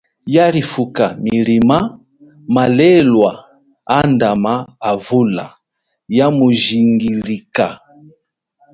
Yalifuka milima, malelwa andama avula ya mujingilika.